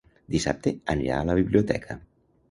Dissabte anirà a la biblioteca.